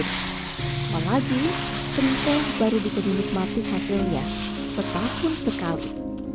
selain itu cemkeh baru bisa dinikmati hasilnya setahun sekali